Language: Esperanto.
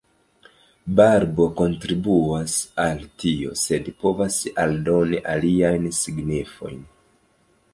Barbo kontribuas al tio, sed povas aldoni aliajn signifojn.